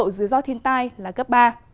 gió thiên tai là cấp ba